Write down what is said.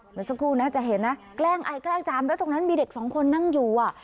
เหมือนสักครู่นะจะเห็นนะแกล้งไอแกล้งจามแล้วตรงนั้นมีเด็กสองคนนั่งอยู่อ่ะ